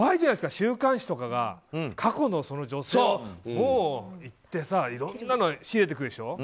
週刊誌とかが過去の女性にいっていろんなのを仕入れてくるでしょ。